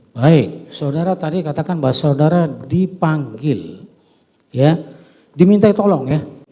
baik saudara tadi katakan bahwa saudara dipanggil ya diminta tolong ya